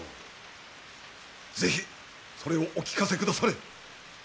是非それをお聞かせくだされ。